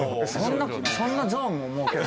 そんなゾーンも設ける？